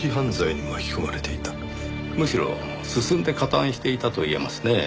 むしろ進んで加担していたと言えますねぇ。